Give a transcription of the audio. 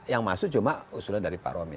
yang masuk cuma usulan dari pak romi